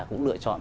cũng lựa chọn